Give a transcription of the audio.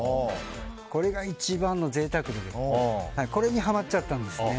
これが一番の贅沢でこれにハマっちゃったんですね。